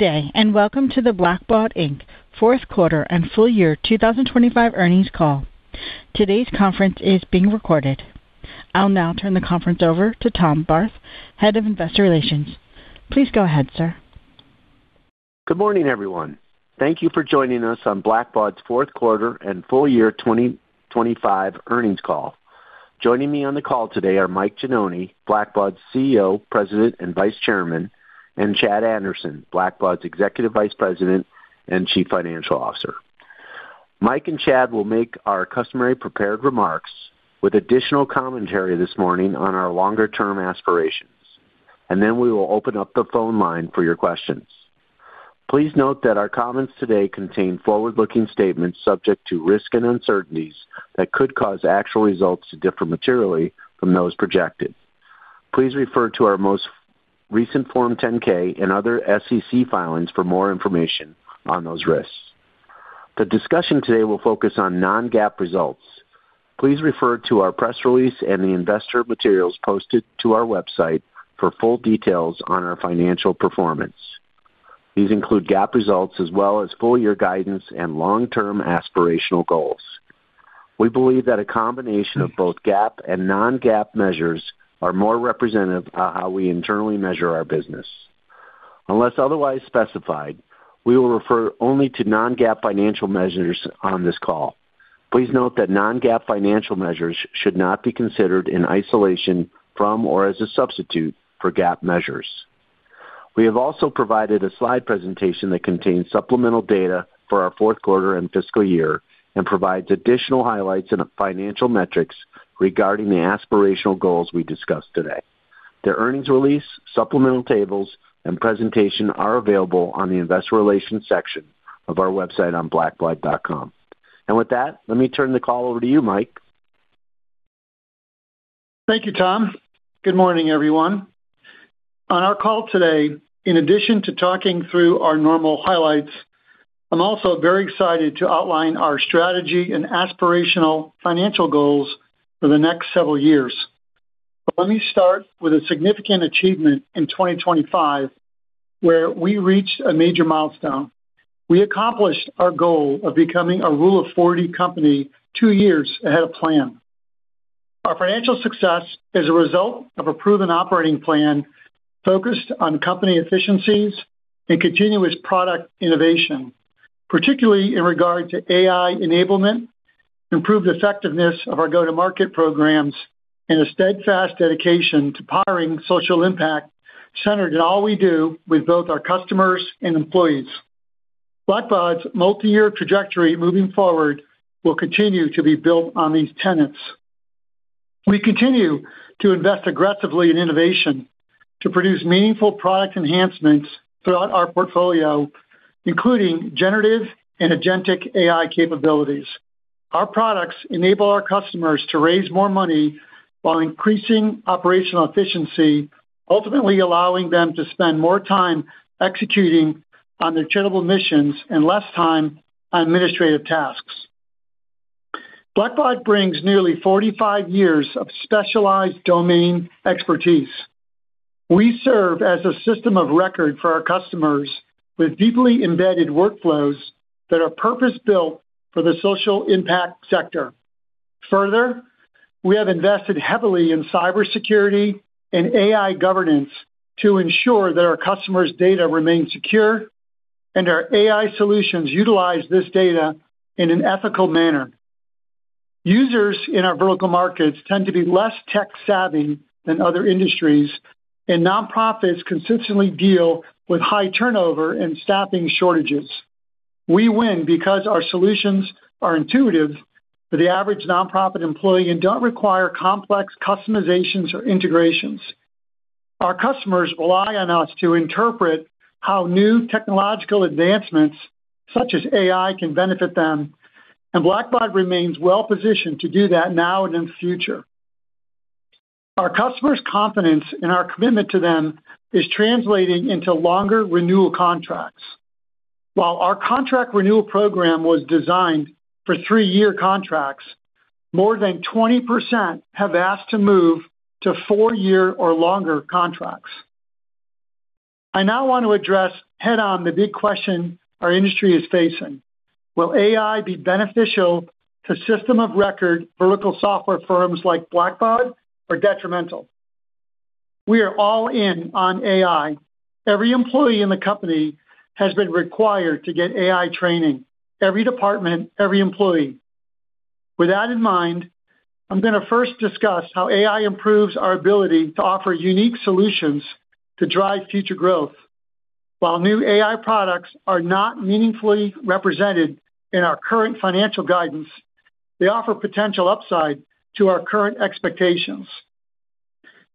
Good day and welcome to the Blackbaud Inc. fourth quarter and full year 2025 earnings call. Today's conference is being recorded. I'll now turn the conference over to Tom Barth, Head of Investor Relations. Please go ahead, sir. Good morning, everyone. Thank you for joining us on Blackbaud's fourth quarter and full year 2025 earnings call. Joining me on the call today are Michael Gianoni, Blackbaud's CEO, President, and Vice Chairman, and Anthony Boor, Blackbaud's Executive Vice President and Chief Financial Officer. Mike and Anthony will make our customary prepared remarks with additional commentary this morning on our longer-term aspirations, and then we will open up the phone line for your questions. Please note that our comments today contain forward-looking statements subject to risk and uncertainties that could cause actual results to differ materially from those projected. Please refer to our most recent Form 10-K and other SEC filings for more information on those risks. The discussion today will focus on non-GAAP results. Please refer to our press release and the investor materials posted to our website for full details on our financial performance. These include GAAP results as well as full-year guidance and long-term aspirational goals. We believe that a combination of both GAAP and non-GAAP measures are more representative of how we internally measure our business. Unless otherwise specified, we will refer only to non-GAAP financial measures on this call. Please note that non-GAAP financial measures should not be considered in isolation from or as a substitute for GAAP measures. We have also provided a slide presentation that contains supplemental data for our fourth quarter and fiscal year and provides additional highlights and financial metrics regarding the aspirational goals we discussed today. The earnings release, supplemental tables, and presentation are available on the investor relations section of our website on blackbaud.com. With that, let me turn the call over to you, Mike. Thank you, Tom. Good morning, everyone. On our call today, in addition to talking through our normal highlights, I'm also very excited to outline our strategy and aspirational financial goals for the next several years. Let me start with a significant achievement in 2025 where we reached a major milestone. We accomplished our goal of becoming a Rule of 40 company two years ahead of plan. Our financial success is a result of a proven operating plan focused on company efficiencies and continuous product innovation, particularly in regard to AI enablement, improved effectiveness of our go-to-market programs, and a steadfast dedication to powering social impact centered in all we do with both our customers and employees. Blackbaud's multi-year trajectory moving forward will continue to be built on these tenets. We continue to invest aggressively in innovation to produce meaningful product enhancements throughout our portfolio, including generative and agentic AI capabilities. Our products enable our customers to raise more money while increasing operational efficiency, ultimately allowing them to spend more time executing on their charitable missions and less time on administrative tasks. Blackbaud brings nearly 45 years of specialized domain expertise. We serve as a system of record for our customers with deeply embedded workflows that are purpose-built for the social impact sector. Further, we have invested heavily in cybersecurity and AI governance to ensure that our customers' data remain secure and our AI solutions utilize this data in an ethical manner. Users in our vertical markets tend to be less tech-savvy than other industries, and nonprofits consistently deal with high turnover and staffing shortages. We win because our solutions are intuitive for the average nonprofit employee and don't require complex customizations or integrations. Our customers rely on us to interpret how new technological advancements such as AI can benefit them, and Blackbaud remains well-positioned to do that now and in the future. Our customers' confidence in our commitment to them is translating into longer renewal contracts. While our contract renewal program was designed for three-year contracts, more than 20% have asked to move to four-year or longer contracts. I now want to address head-on the big question our industry is facing: Will AI be beneficial to system-of-record vertical software firms like Blackbaud or detrimental? We are all in on AI. Every employee in the company has been required to get AI training. Every department, every employee. With that in mind, I'm going to first discuss how AI improves our ability to offer unique solutions to drive future growth. While new AI products are not meaningfully represented in our current financial guidance, they offer potential upside to our current expectations.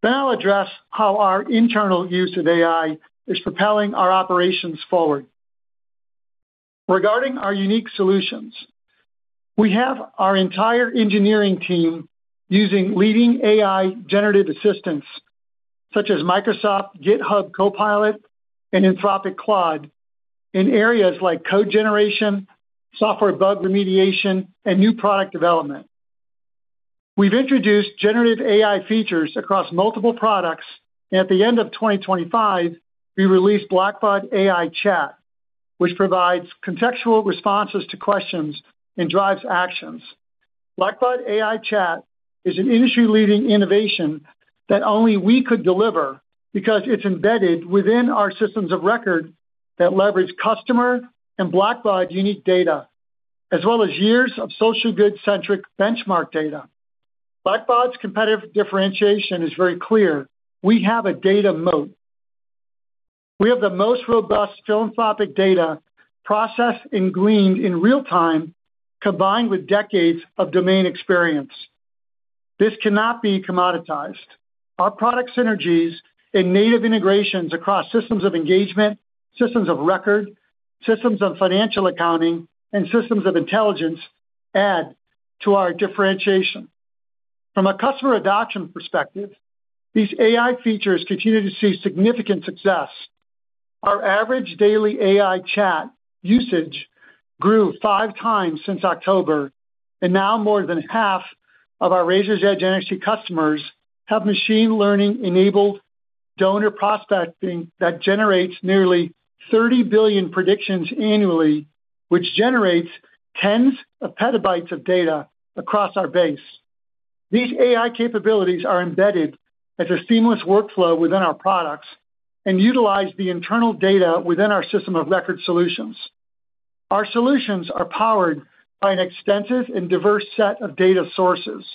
I'll address how our internal use of AI is propelling our operations forward. Regarding our unique solutions, we have our entire engineering team using leading AI generative assistants such as Microsoft GitHub Copilot and Anthropic Claude in areas like code generation, software bug remediation, and new product development. We've introduced generative AI features across multiple products, and at the end of 2025, we released Blackbaud AI Chat, which provides contextual responses to questions and drives actions. Blackbaud AI Chat is an industry-leading innovation that only we could deliver because it's embedded within our systems of record that leverage customer and Blackbaud's unique data, as well as years of social goods-centric benchmark data. Blackbaud's competitive differentiation is very clear. We have a data moat. We have the most robust philanthropic data processed and gleaned in real time, combined with decades of domain experience. This cannot be commoditized. Our product synergies and native integrations across systems of engagement, systems of record, systems of financial accounting, and systems of intelligence add to our differentiation. From a customer adoption perspective, these AI features continue to see significant success. Our average daily AI chat usage grew five times since October, and now more than half of our Raiser's Edge NXT customers have machine learning-enabled donor prospecting that generates nearly 30 billion predictions annually, which generates tens of petabytes of data across our base. These AI capabilities are embedded as a seamless workflow within our products and utilize the internal data within our system of record solutions. Our solutions are powered by an extensive and diverse set of data sources.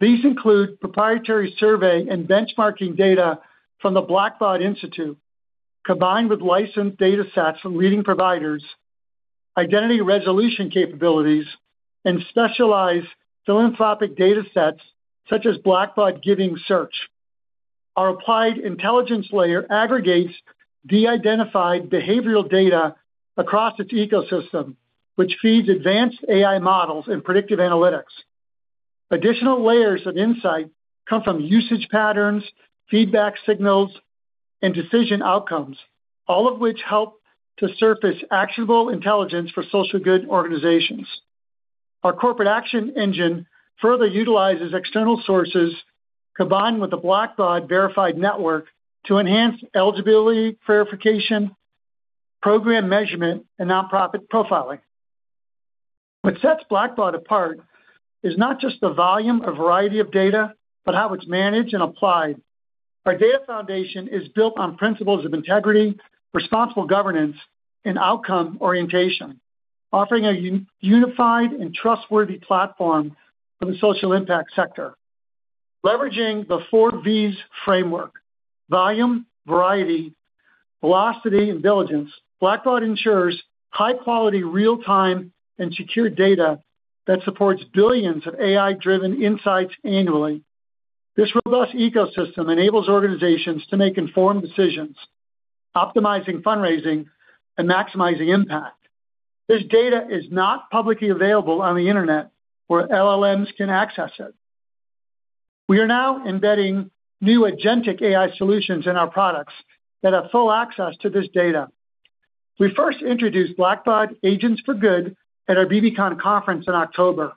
These include proprietary survey and benchmarking data from the Blackbaud Institute, combined with licensed datasets from leading providers, identity resolution capabilities, and specialized philanthropic datasets such as Blackbaud Giving Search. Our applied intelligence layer aggregates de-identified behavioral data across its ecosystem, which feeds advanced AI models and predictive analytics. Additional layers of insight come from usage patterns, feedback signals, and decision outcomes, all of which help to surface actionable intelligence for social good organizations. Our corporate action engine further utilizes external sources combined with the Blackbaud Verified Network to enhance eligibility verification, program measurement, and nonprofit profiling. What sets Blackbaud apart is not just the volume or variety of data, but how it's managed and applied. Our data foundation is built on principles of integrity, responsible governance, and outcome orientation, offering a unified and trustworthy platform for the social impact sector. Leveraging the four V's framework: volume, variety, velocity, and diligence, Blackbaud ensures high-quality, real-time, and secure data that supports billions of AI-driven insights annually. This robust ecosystem enables organizations to make informed decisions, optimizing fundraising, and maximizing impact. This data is not publicly available on the internet where LLMs can access it. We are now embedding new agentic AI solutions in our products that have full access to this data. We first introduced Blackbaud Agents for Good at our bbcon conference in October.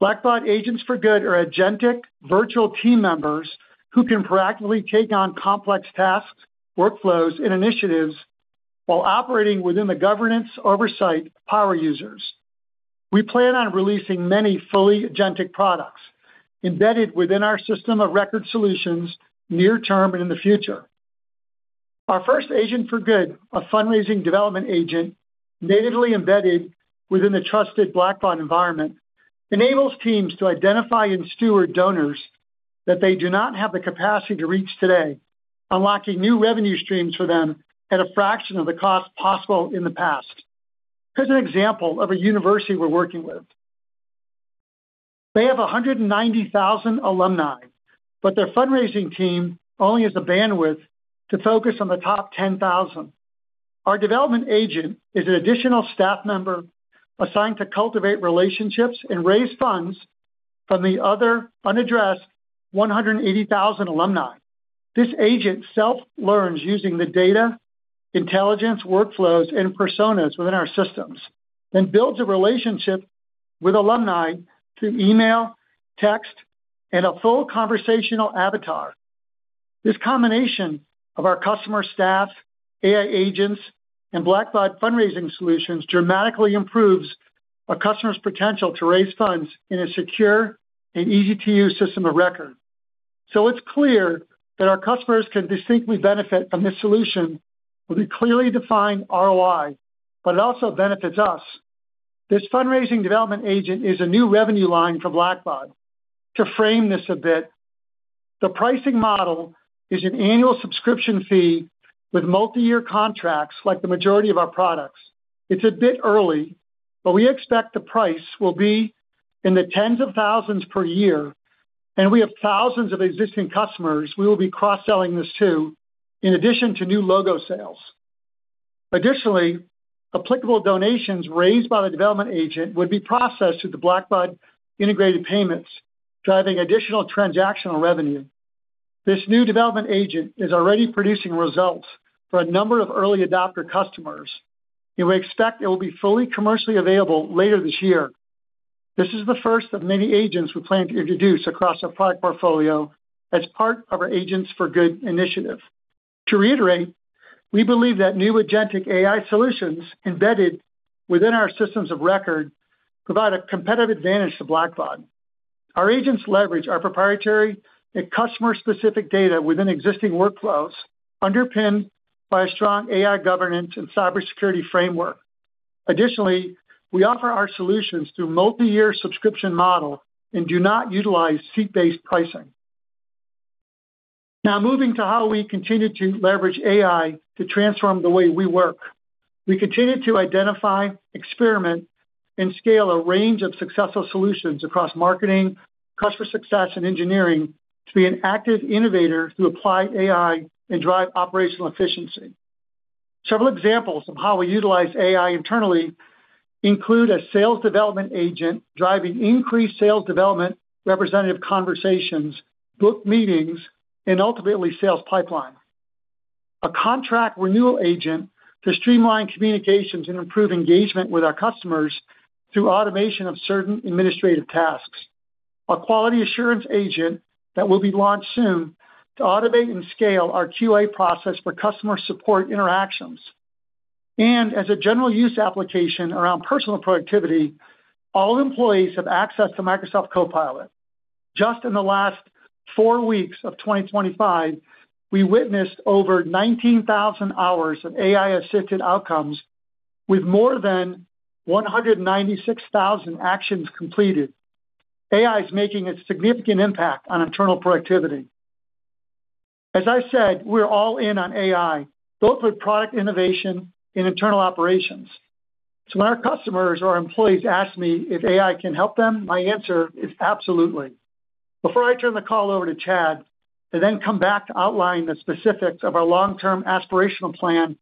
Blackbaud Agents for Good are agentic virtual team members who can proactively take on complex tasks, workflows, and initiatives while operating within the governance oversight of power users. We plan on releasing many fully agentic products embedded within our system of record solutions near term and in the future. Our first Agent for Good, a fundraising development agent natively embedded within the trusted Blackbaud environment, enables teams to identify and steward donors that they do not have the capacity to reach today, unlocking new revenue streams for them at a fraction of the cost possible in the past. Here's an example of a university we're working with. They have 190,000 alumni, but their fundraising team only has the bandwidth to focus on the top 10,000. Our development agent is an additional staff member assigned to cultivate relationships and raise funds from the other unaddressed 180,000 alumni. This agent self-learns using the data, intelligence, workflows, and personas within our systems, then builds a relationship with alumni through email, text, and a full conversational avatar. This combination of our customer staff, AI agents, and Blackbaud fundraising solutions dramatically improves a customer's potential to raise funds in a secure and easy-to-use system of record. It's clear that our customers can distinctly benefit from this solution with a clearly defined ROI, but it also benefits us. This fundraising development agent is a new revenue line for Blackbaud. To frame this a bit, the pricing model is an annual subscription fee with multi-year contracts like the majority of our products. It's a bit early, but we expect the price will be in the tens of thousands per year, and we have thousands of existing customers. We will be cross-selling this too, in addition to new logo sales. Additionally, applicable donations raised by the development agent would be processed through the Blackbaud integrated payments, driving additional transactional revenue. This new development agent is already producing results for a number of early adopter customers, and we expect it will be fully commercially available later this year. This is the first of many agents we plan to introduce across our product portfolio as part of our Agents for Good initiative. To reiterate, we believe that new agentic AI solutions embedded within our systems of record provide a competitive advantage to Blackbaud. Our agents leverage our proprietary and customer-specific data within existing workflows, underpinned by a strong AI governance and cybersecurity framework. Additionally, we offer our solutions through a multi-year subscription model and do not utilize seat-based pricing. Now, moving to how we continue to leverage AI to transform the way we work, we continue to identify, experiment, and scale a range of successful solutions across marketing, customer success, and engineering to be an active innovator to apply AI and drive operational efficiency. Several examples of how we utilize AI internally include a sales development agent driving increased sales development representative conversations, book meetings, and ultimately sales pipeline, a contract renewal agent to streamline communications and improve engagement with our customers through automation of certain administrative tasks, a quality assurance agent that will be launched soon to automate and scale our QA process for customer support interactions, and as a general use application around personal productivity. All employees have access to Microsoft Copilot. Just in the last four weeks of 2025, we witnessed over 19,000 hours of AI-assisted outcomes with more than 196,000 actions completed. AI is making a significant impact on internal productivity. As I said, we're all in on AI, both with product innovation and internal operations. So when our customers or our employees ask me if AI can help them, my answer is absolutely. Before I turn the call over to Tony and then come back to outline the specifics of our long-term aspirational plan,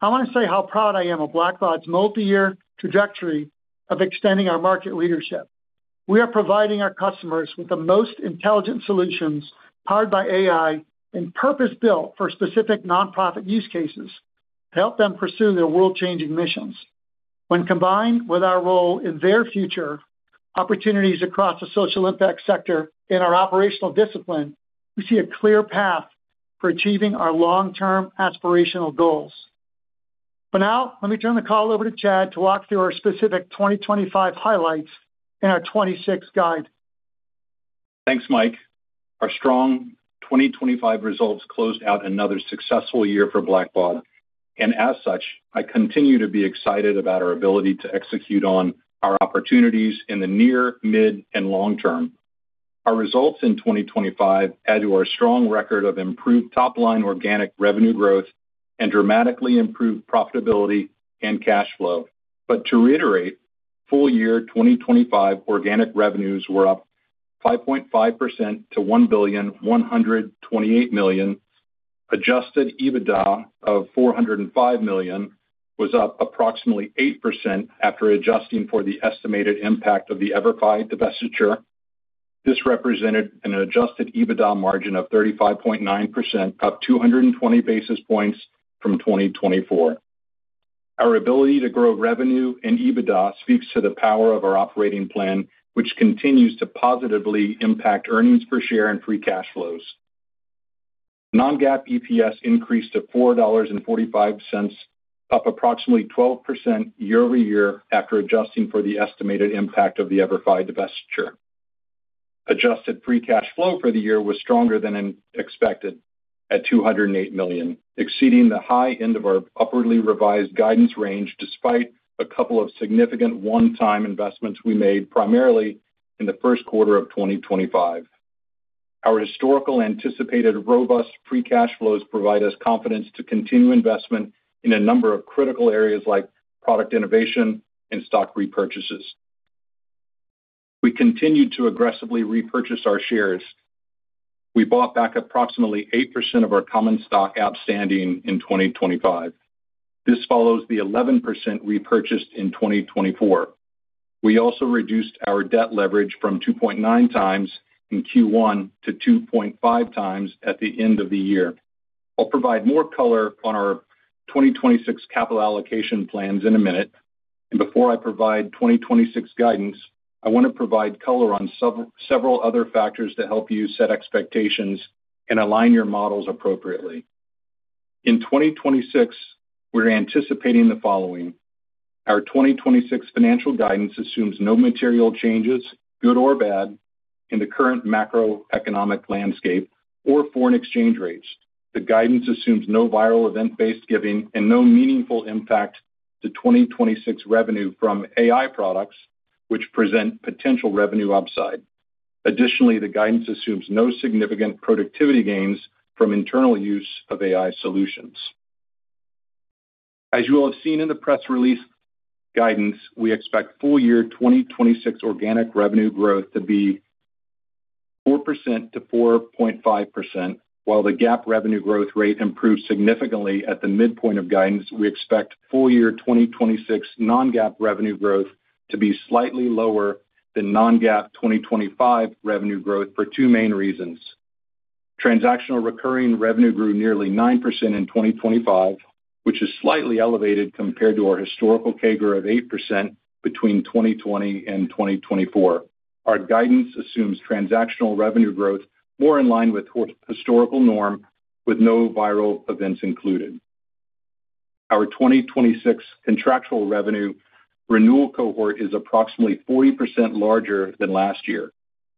I want to say how proud I am of Blackbaud's multi-year trajectory of extending our market leadership. We are providing our customers with the most intelligent solutions powered by AI and purpose-built for specific nonprofit use cases to help them pursue their world-changing missions. When combined with our role in their future opportunities across the social impact sector in our operational discipline, we see a clear path for achieving our long-term aspirational goals. For now, let me turn the call over to Tony to walk through our specific 2025 highlights in our '26 guide. Thanks, Mike. Our strong 2025 results closed out another successful year for Blackbaud, and as such, I continue to be excited about our ability to execute on our opportunities in the near, mid, and long term. Our results in 2025 add to our strong record of improved top-line organic revenue growth and dramatically improved profitability and cash flow. To reiterate, full year 2025 organic revenues were up 5.5% to $1,128,000,000. Adjusted EBITDA of $405,000,000 was up approximately 8% after adjusting for the estimated impact of the EVERFI divestiture. This represented an Adjusted EBITDA margin of 35.9%, up 220 basis points from 2024. Our ability to grow revenue and EBITDA speaks to the power of our operating plan, which continues to positively impact earnings per share and free cash flows. Non-GAAP EPS increased to $4.45, up approximately 12% year-over-year after adjusting for the estimated impact of the EVERFI divestiture. Adjusted free cash flow for the year was stronger than expected at $208,000,000, exceeding the high end of our upwardly revised guidance range despite a couple of significant one-time investments we made primarily in the first quarter of 2025. Our historical anticipated robust free cash flows provide us confidence to continue investment in a number of critical areas like product innovation and stock repurchases. We continued to aggressively repurchase our shares. We bought back approximately 8% of our common stock outstanding in 2025. This follows the 11% repurchased in 2024. We also reduced our debt leverage from 2.9 times in Q1 to 2.5 times at the end of the year. I'll provide more color on our 2026 capital allocation plans in a minute. Before I provide 2026 guidance, I want to provide color on several other factors to help you set expectations and align your models appropriately. In 2026, we're anticipating the following. Our 2026 financial guidance assumes no material changes, good or bad, in the current macroeconomic landscape or foreign exchange rates. The guidance assumes no viral event-based giving and no meaningful impact to 2026 revenue from AI products, which present potential revenue upside. Additionally, the guidance assumes no significant productivity gains from internal use of AI solutions. As you will have seen in the press release guidance, we expect full year 2026 organic revenue growth to be 4%-4.5%, while the GAAP revenue growth rate improved significantly at the midpoint of guidance. We expect full year 2026 non-GAAP revenue growth to be slightly lower than non-GAAP 2025 revenue growth for two main reasons. Transactional recurring revenue grew nearly 9% in 2025, which is slightly elevated compared to our historical CAGR of 8% between 2020 and 2024. Our guidance assumes transactional revenue growth more in line with historical norm, with no viral events included. Our 2026 contractual revenue renewal cohort is approximately 40% larger than last year.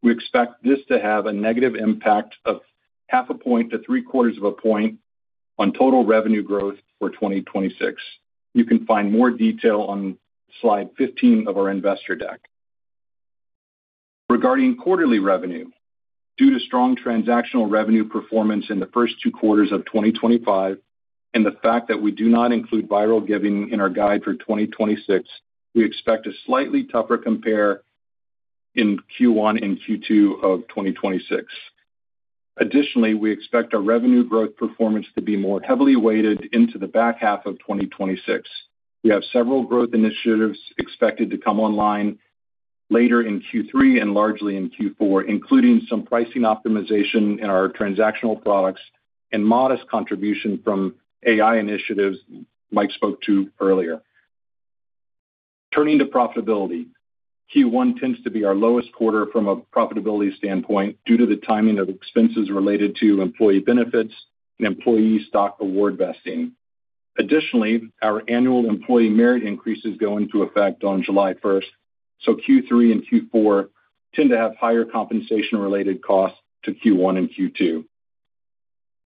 We expect this to have a negative impact of half a point to three-quarters of a point on total revenue growth for 2026. You can find more detail on slide 15 of our investor deck. Regarding quarterly revenue, due to strong transactional revenue performance in the first two quarters of 2025 and the fact that we do not include viral giving in our guide for 2026, we expect a slightly tougher compare in Q1 and Q2 of 2026. Additionally, we expect our revenue growth performance to be more heavily weighted into the back half of 2026. We have several growth initiatives expected to come online later in Q3 and largely in Q4, including some pricing optimization in our transactional products and modest contribution from AI initiatives Mike spoke to earlier. Turning to profitability, Q1 tends to be our lowest quarter from a profitability standpoint due to the timing of expenses related to employee benefits and employee stock award vesting. Additionally, our annual employee merit increases go into effect on July 1st. So Q3 and Q4 tend to have higher compensation-related costs to Q1 and Q2.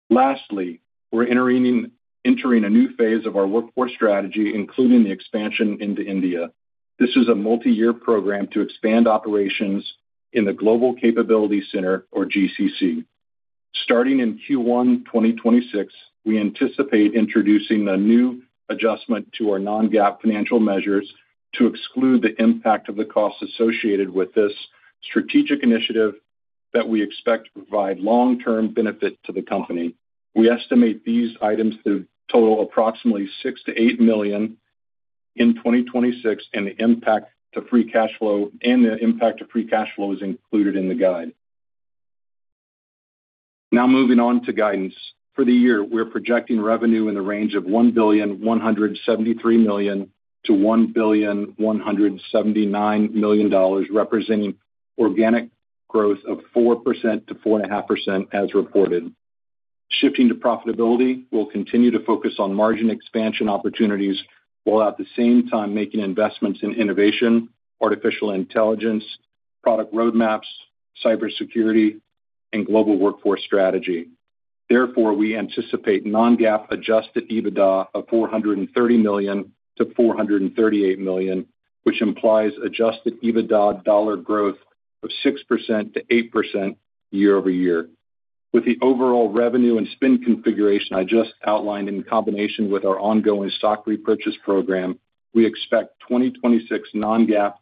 Lastly, we're entering a new phase of our workforce strategy, including the expansion into India. This is a multi-year program to expand operations in the Global Capability Center or GCC. Starting in Q1 2026, we anticipate introducing a new adjustment to our non-GAAP financial measures to exclude the impact of the costs associated with this strategic initiative that we expect to provide long-term benefit to the company. We estimate these items to total approximately $6 million-$8 million in 2026, and the impact to free cash flow and the impact to free cash flow is included in the guide. Now moving on to guidance. For the year, we're projecting revenue in the range of $1,173,000,000-$1,179,000,000, representing organic growth of 4%-4.5% as reported. Shifting to profitability, we'll continue to focus on margin expansion opportunities while at the same time making investments in innovation, artificial intelligence, product roadmaps, cybersecurity, and global workforce strategy. Therefore, we anticipate non-GAAP Adjusted EBITDA of $430 million-$438 million, which implies Adjusted EBITDA dollar growth of 6%-8% year-over-year. With the overall revenue and spend configuration I just outlined in combination with our ongoing stock repurchase program, we expect 2026 non-GAAP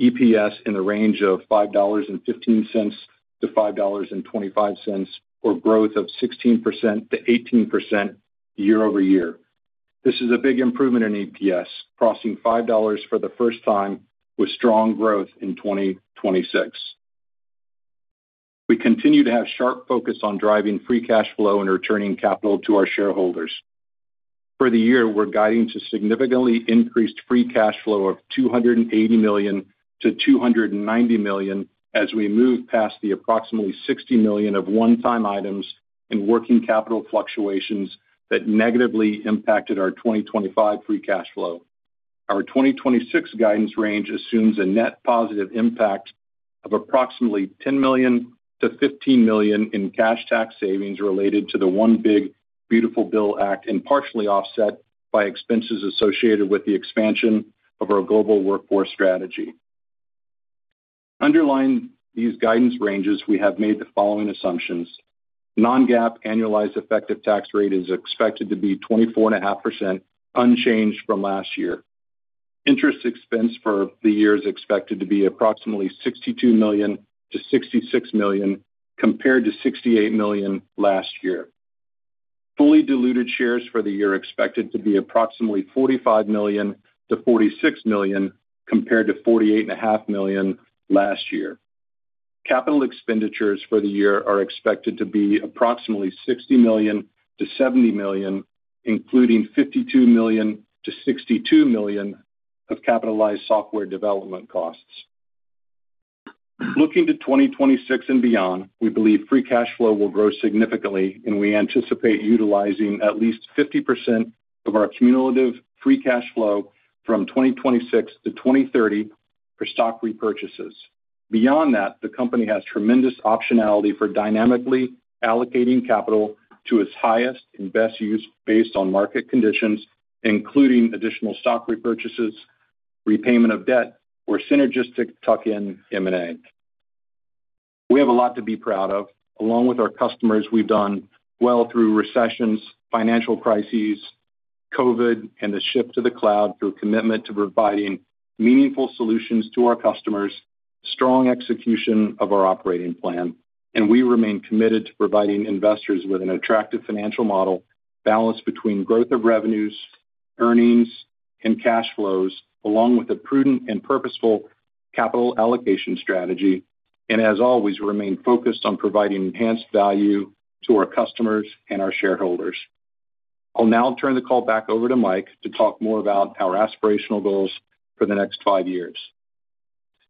EPS in the range of $5.15-$5.25 or growth of 16%-18% year-over-year. This is a big improvement in EPS, crossing $5 for the first time with strong growth in 2026. We continue to have sharp focus on driving free cash flow and returning capital to our shareholders. For the year, we're guiding to significantly increased free cash flow of $280 million-$290 million as we move past the approximately $60 million of one-time items and working capital fluctuations that negatively impacted our 2025 free cash flow. Our 2026 guidance range assumes a net positive impact of approximately $10 million-$15 million in cash tax savings related to the Omnibus Appropriations Act and partially offset by expenses associated with the expansion of our global workforce strategy. Underlying these guidance ranges, we have made the following assumptions. Non-GAAP annualized effective tax rate is expected to be 24.5% unchanged from last year. Interest expense for the year is expected to be approximately $62 million-$66 million compared to $68 million last year. Fully diluted shares for the year are expected to be approximately 45 million-46 million compared to 48.5 million last year. Capital expenditures for the year are expected to be approximately $60 million-$70 million, including $52 million-$62 million of capitalized software development costs. Looking to 2026 and beyond, we believe free cash flow will grow significantly, and we anticipate utilizing at least 50% of our cumulative free cash flow from 2026 to 2030 for stock repurchases. Beyond that, the company has tremendous optionality for dynamically allocating capital to its highest and best use based on market conditions, including additional stock repurchases, repayment of debt, or synergistic tuck-in M&A. We have a lot to be proud of. Along with our customers, we've done well through recessions, financial crises, COVID, and the shift to the cloud through commitment to providing meaningful solutions to our customers, strong execution of our operating plan. We remain committed to providing investors with an attractive financial model balanced between growth of revenues, earnings, and cash flows, along with a prudent and purposeful capital allocation strategy. As always, we remain focused on providing enhanced value to our customers and our shareholders. I'll now turn the call back over to Mike to talk more about our aspirational goals for the next five years.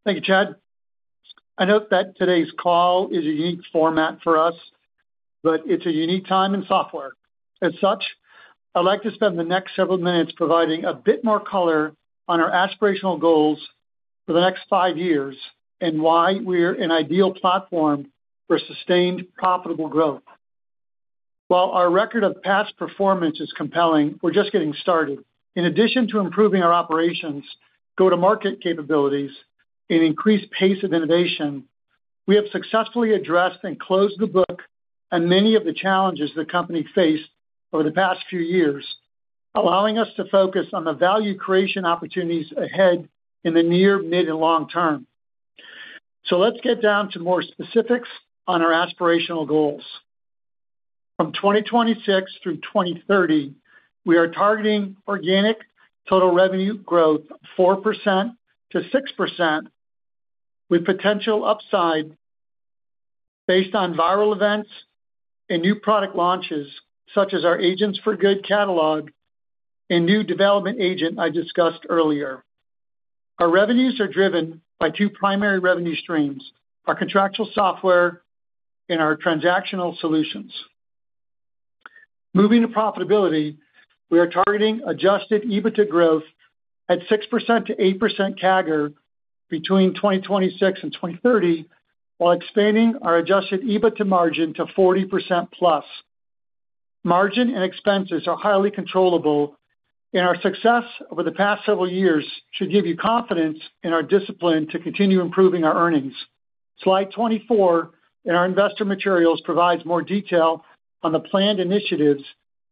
Thank you, Tony. I note that today's call is a unique format for us, but it's a unique time in software. As such, I'd like to spend the next several minutes providing a bit more color on our aspirational goals for the next five years and why we're an ideal platform for sustained profitable growth. While our record of past performance is compelling, we're just getting started. In addition to improving our operations, go-to-market capabilities, and increased pace of innovation, we have successfully addressed and closed the book on many of the challenges the company faced over the past few years, allowing us to focus on the value creation opportunities ahead in the near, mid-, and long term. So let's get down to more specifics on our aspirational goals. From 2026 through 2030, we are targeting organic total revenue growth 4%-6% with potential upside based on viral events and new product launches such as our Agents for Good catalog and new development agent I discussed earlier. Our revenues are driven by two primary revenue streams: our contractual software and our transactional solutions. Moving to profitability, we are targeting Adjusted EBITDA growth at 6%-8% CAGR between 2026 and 2030 while expanding our Adjusted EBITDA margin to 40%+. Margin and expenses are highly controllable and our success over the past several years should give you confidence in our discipline to continue improving our earnings. Slide 24 in our investor materials provides more detail on the planned initiatives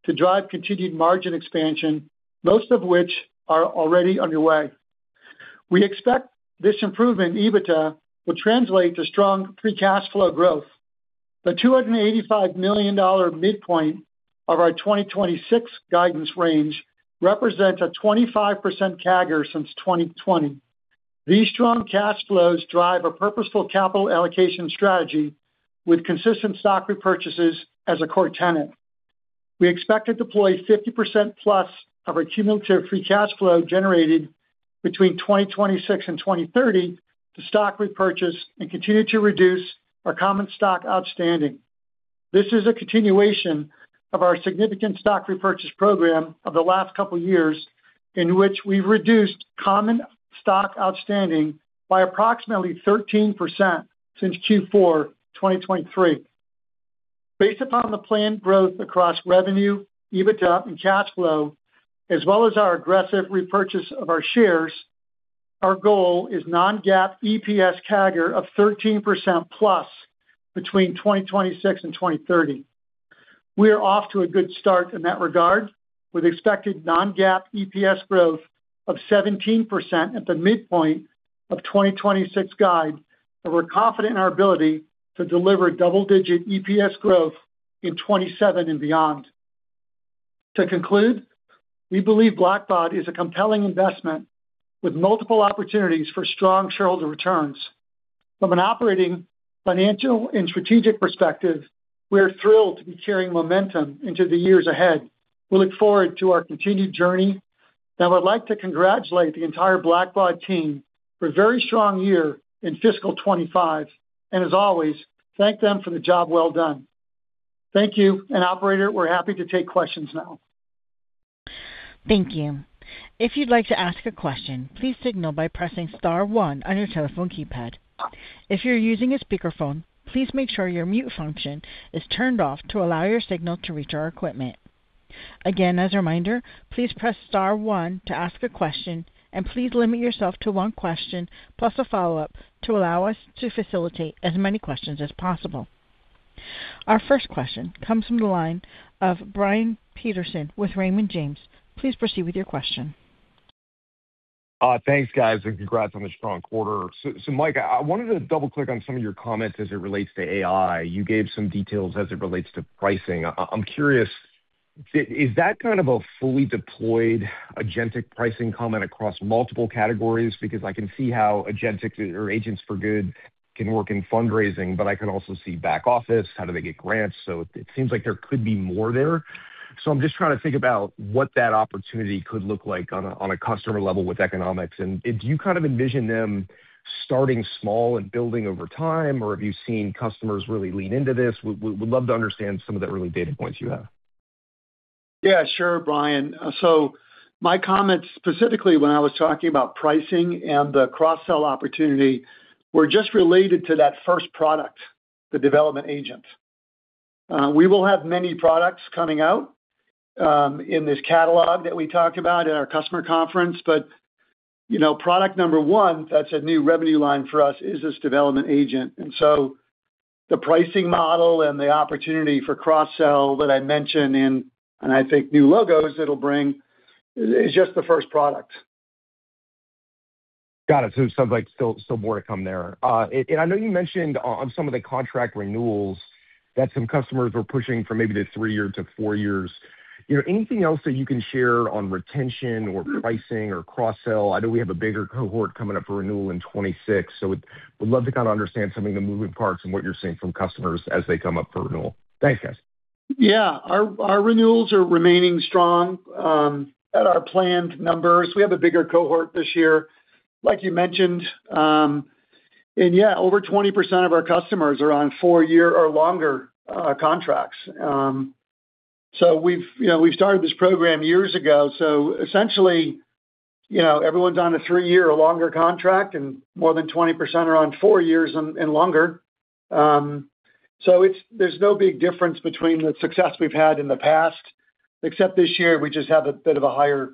to drive continued margin expansion, most of which are already underway. We expect this improvement in EBITDA will translate to strong free cash flow growth. The $285 million midpoint of our 2026 guidance range represents a 25% CAGR since 2020. These strong cash flows drive a purposeful capital allocation strategy with consistent stock repurchases as a core tenet. We expect to deploy 50% plus of our cumulative free cash flow generated between 2026 and 2030 to stock repurchase and continue to reduce our common stock outstanding. This is a continuation of our significant stock repurchase program of the last couple of years in which we've reduced common stock outstanding by approximately 13% since Q4 2023. Based upon the planned growth across revenue, EBITDA, and cash flow, as well as our aggressive repurchase of our shares, our goal is non-GAAP EPS CAGR of 13%+ between 2026 and 2030. We are off to a good start in that regard with expected non-GAAP EPS growth of 17% at the midpoint of 2026 guide, and we're confident in our ability to deliver double-digit EPS growth in 2027 and beyond. To conclude, we believe Blackbaud is a compelling investment with multiple opportunities for strong shareholder returns. From an operating financial and strategic perspective, we are thrilled to be carrying momentum into the years ahead. We look forward to our continued journey and would like to congratulate the entire Blackbaud team for a very strong year in fiscal 2025. And as always, thank them for the job well done. Thank you, and operator, we're happy to take questions now. Thank you. If you'd like to ask a question, please signal by pressing star one on your telephone keypad. If you're using a speakerphone, please make sure your mute function is turned off to allow your signal to reach our equipment. Again, as a reminder, please press star one to ask a question, and please limit yourself to one question plus a follow-up to allow us to facilitate as many questions as possible. Our first question comes from the line of Brian Peterson with Raymond James. Please proceed with your question. Thanks, guys, and congrats on the strong quarter. So, Mike, I wanted to double-click on some of your comments as it relates to AI. You gave some details as it relates to pricing. I'm curious, is that kind of a fully deployed agentic pricing comment across multiple categories? Because I can see how agentics or Agents for Good can work in fundraising, but I can also see back office. How do they get grants? So it seems like there could be more there. So I'm just trying to think about what that opportunity could look like on a customer level with economics. And do you kind of envision them starting small and building over time, or have you seen customers really lean into this? We'd love to understand some of the early data points you have. Yeah, sure, Brian. So my comments, specifically when I was talking about pricing and the cross-sell opportunity, were just related to that first product, the development agent. We will have many products coming out in this catalog that we talked about at our customer conference. But product number one, that's a new revenue line for us, is this development agent. And so the pricing model and the opportunity for cross-sell that I mentioned in, and I think, new logos that it'll bring is just the first product. Got it. So it sounds like still more to come there. And I know you mentioned on some of the contract renewals that some customers were pushing for maybe the three-year to four years. Anything else that you can share on retention or pricing or cross-sell? I know we have a bigger cohort coming up for renewal in 2026, so we'd love to kind of understand some of the moving parts and what you're seeing from customers as they come up for renewal. Thanks, guys. Yeah. Our renewals are remaining strong at our planned numbers. We have a bigger cohort this year, like you mentioned. Yeah, over 20% of our customers are on four-year or longer contracts. We've started this program years ago. Essentially, everyone's on a three-year or longer contract, and more than 20% are on four years and longer. There's no big difference between the success we've had in the past, except this year we just have a bit of a higher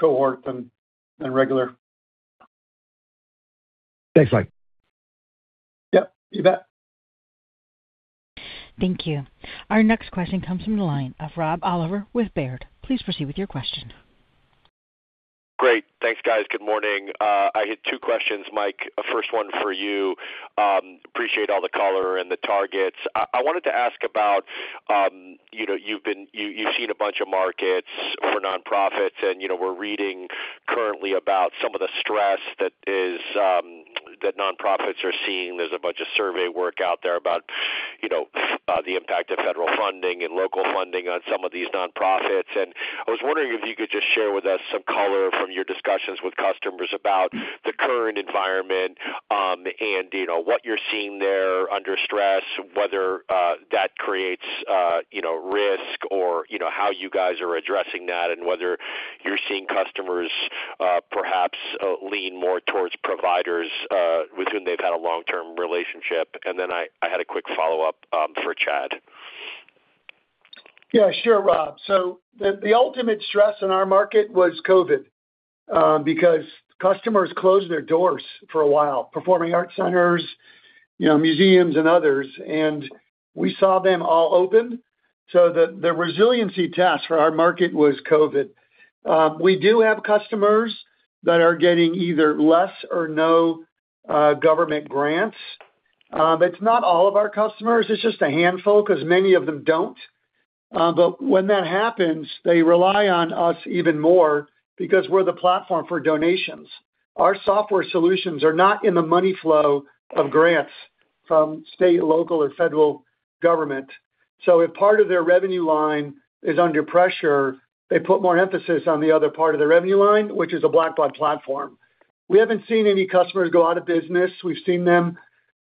cohort than regular. Thanks, Mike. Yep, you bet. Thank you. Our next question comes from the line of Rob Oliver with Baird. Please proceed with your question. Great. Thanks, guys. Good morning. I have two questions, Mike. First one for you. Appreciate all the color and the targets. I wanted to ask about what you've seen a bunch of markets for nonprofits, and we're reading currently about some of the stress that nonprofits are seeing. There's a bunch of survey work out there about the impact of federal funding and local funding on some of these nonprofits. And I was wondering if you could just share with us some color from your discussions with customers about the current environment and what you're seeing there under stress, whether that creates risk or how you guys are addressing that, and whether you're seeing customers perhaps lean more towards providers with whom they've had a long-term relationship. And then I had a quick follow-up for Tony. Yeah, sure, Rob. So the ultimate stress in our market was COVID because customers closed their doors for a while, performing arts centers, museums, and others. And we saw them all open, so the resiliency test for our market was COVID. We do have customers that are getting either less or no government grants. It's not all of our customers. It's just a handful because many of them don't. But when that happens, they rely on us even more because we're the platform for donations. Our software solutions are not in the money flow of grants from state, local, or federal government. So if part of their revenue line is under pressure, they put more emphasis on the other part of their revenue line, which is a Blackbaud platform. We haven't seen any customers go out of business. We've seen them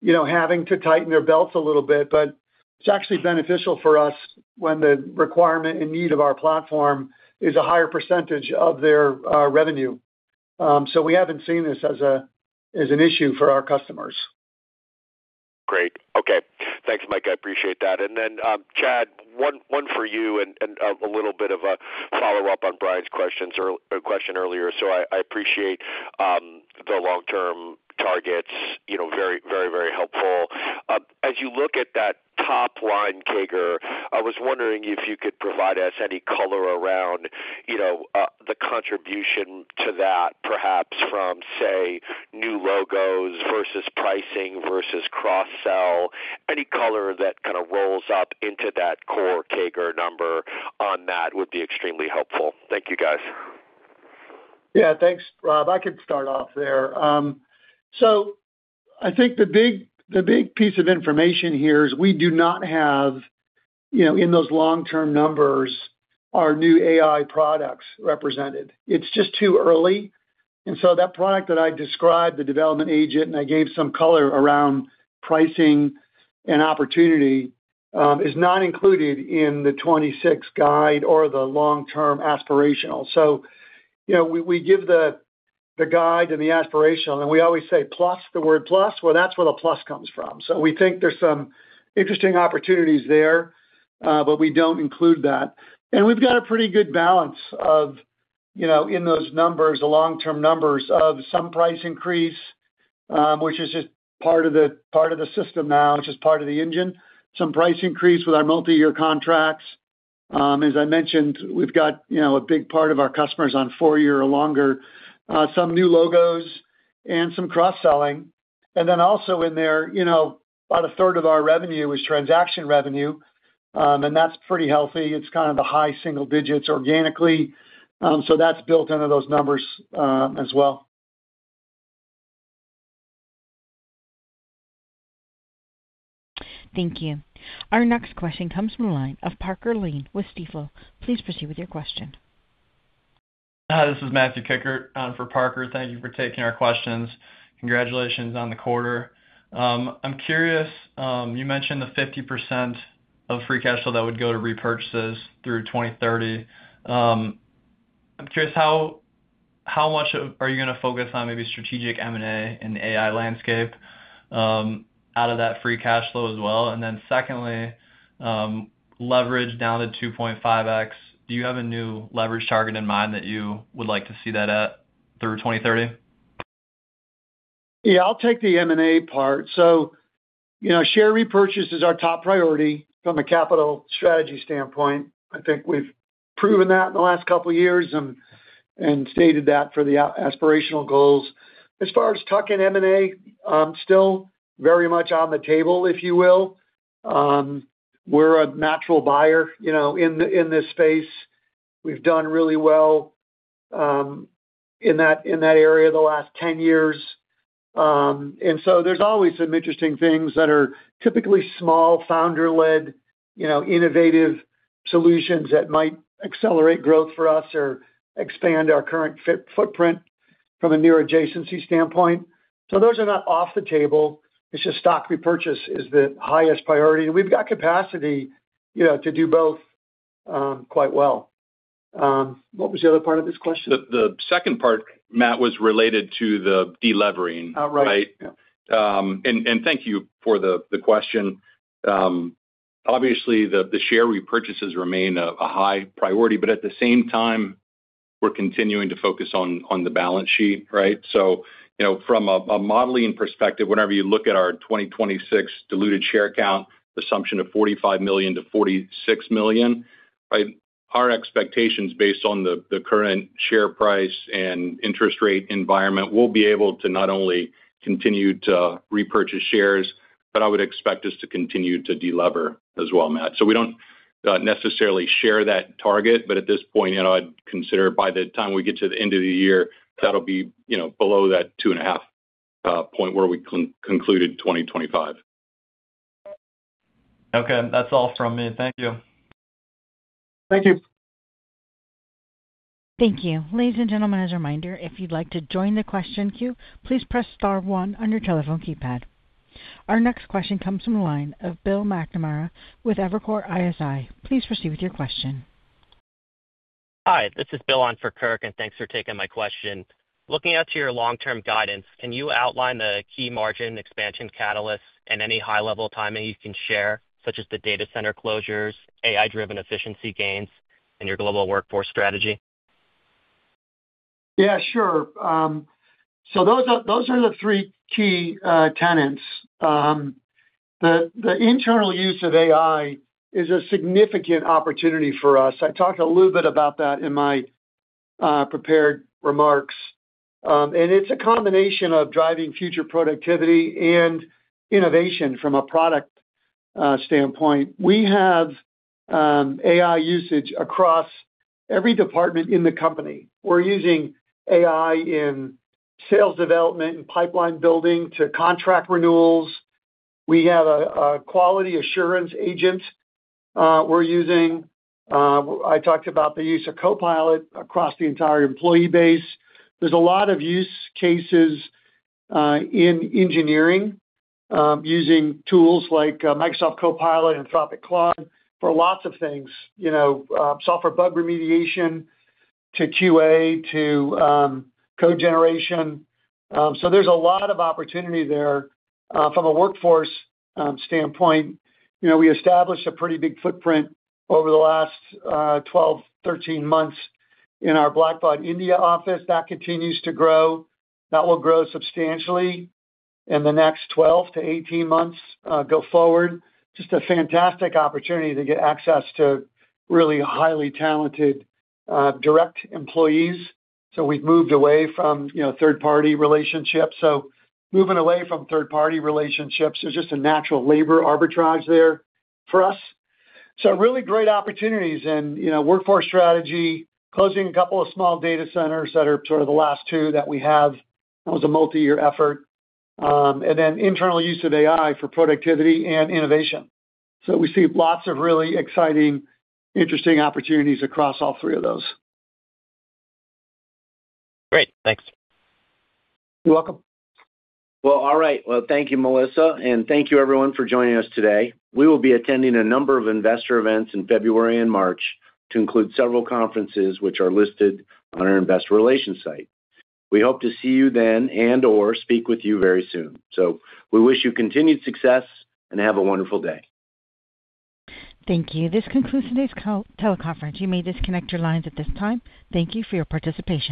having to tighten their belts a little bit, but it's actually beneficial for us when the requirement and need of our platform is a higher percentage of their revenue. So we haven't seen this as an issue for our customers. Great. Okay. Thanks, Mike. I appreciate that. And then, Tony, one for you and a little bit of a follow-up on Brian's question earlier. So I appreciate the long-term targets. Very, very, very helpful. As you look at that top-line CAGR, I was wondering if you could provide us any color around the contribution to that, perhaps from, say, new logos versus pricing versus cross-sell. Any color that kind of rolls up into that core CAGR number on that would be extremely helpful. Thank you, guys. Yeah, thanks, Rob. I could start off there. So I think the big piece of information here is we do not have, in those long-term numbers, our new AI products represented. It's just too early. And so that product that I described, the development agent, and I gave some color around pricing and opportunity, is not included in the 2026 guide or the long-term aspirational. So we give the guide and the aspirational, and we always say plus the word plus. Well, that's where the plus comes from. So we think there's some interesting opportunities there, but we don't include that. And we've got a pretty good balance in those numbers, the long-term numbers, of some price increase, which is just part of the system now, which is part of the engine, some price increase with our multi-year contracts. As I mentioned, we've got a big part of our customers on four-year or longer, some new logos, and some cross-selling. And then also in there, about a third of our revenue was transaction revenue, and that's pretty healthy. It's kind of the high single digits organically. So that's built into those numbers as well. Thank you. Our next question comes from the line of Parker Lane with Stifel. Please proceed with your question. This is Matthew Kikkert for Parker. Thank you for taking our questions. Congratulations on the quarter. I'm curious, you mentioned the 50% of free cash flow that would go to repurchases through 2030. I'm curious, how much are you going to focus on maybe strategic M&A in the AI landscape out of that free cash flow as well? And then secondly, leverage down to 2.5x, do you have a new leverage target in mind that you would like to see that at through 2030? Yeah, I'll take the M&A part. So share repurchase is our top priority from a capital strategy standpoint. I think we've proven that in the last couple of years and stated that for the aspirational goals. As far as tuck-in M&A, still very much on the table, if you will. We're a natural buyer in this space. We've done really well in that area the last 10 years. And so there's always some interesting things that are typically small, founder-led, innovative solutions that might accelerate growth for us or expand our current footprint from a near-adjacency standpoint. So those are not off the table. It's just stock repurchase is the highest priority. And we've got capacity to do both quite well. What was the other part of this question? The second part, Matt, was related to the delevering, right? And thank you for the question. Obviously, the share repurchases remain a high priority, but at the same time, we're continuing to focus on the balance sheet, right? So from a modeling perspective, whenever you look at our 2026 diluted share count, the assumption of 45 million-46 million, right, our expectations based on the current share price and interest rate environment, we'll be able to not only continue to repurchase shares, but I would expect us to continue to delever as well, Matt. So we don't necessarily share that target, but at this point, I'd consider by the time we get to the end of the year, that'll be below that 2.5 point where we concluded 2025. Okay. That's all from me. Thank you. Thank you. Thank you. Ladies and gentlemen, as a reminder, if you'd like to join the question queue, please press star one on your telephone keypad. Our next question comes from the line of Bill McNamara with Evercore ISI. Please proceed with your question. Hi. This is Bill on for Kirk, and thanks for taking my question. Looking at your long-term guidance, can you outline the key margin expansion catalysts and any high-level timing you can share, such as the data center closures, AI-driven efficiency gains, and your global workforce strategy? Yeah, sure. So those are the three key tenets. The internal use of AI is a significant opportunity for us. I talked a little bit about that in my prepared remarks. And it's a combination of driving future productivity and innovation from a product standpoint. We have AI usage across every department in the company. We're using AI in sales development and pipeline building to contract renewals. We have a quality assurance agent we're using. I talked about the use of Copilot across the entire employee base. There's a lot of use cases in engineering using tools like Microsoft Copilot and Anthropic Claude for lots of things, software bug remediation to QA to code generation. So there's a lot of opportunity there from a workforce standpoint. We established a pretty big footprint over the last 12-13 months in our Blackbaud India office. That continues to grow. That will grow substantially in the next 12-18 months go forward. Just a fantastic opportunity to get access to really highly talented direct employees. So we've moved away from third-party relationships. So moving away from third-party relationships, there's just a natural labor arbitrage there for us. So really great opportunities in workforce strategy, closing a couple of small data centers that are sort of the last two that we have. That was a multi-year effort. And then internal use of AI for productivity and innovation. So we see lots of really exciting, interesting opportunities across all three of those. Great. Thanks. You're welcome. Well, all right. Well, thank you, Melissa. And thank you, everyone, for joining us today. We will be attending a number of investor events in February and March to include several conferences, which are listed on our Investor Relations site. We hope to see you then and/or speak with you very soon. So we wish you continued success and have a wonderful day. Thank you. This concludes today's teleconference. You may disconnect your lines at this time. Thank you for your participation.